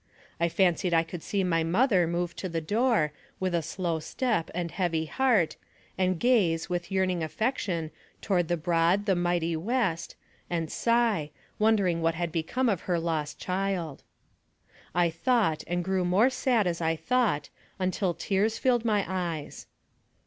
I fancied I could see my mother move to the door, with a slow step and heavy heart, and gaze, with yearning affection, toward the broad, the mighty West, and sigh, wondering what had become of her lost child. 156 NAREATIVE OF CAPTIVITY I thought, and grew more sad as I thought, until tears filled my eyes.